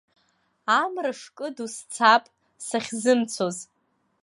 Амра шкыду сцап сахьзымцоз.